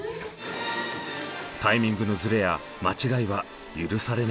タイミングのズレや間違いは許されない。